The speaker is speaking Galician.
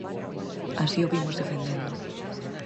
Así o vimos defendendo.